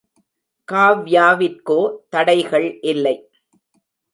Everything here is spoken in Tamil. காவ்யாவிற்கோ தடைகள் இல்லை.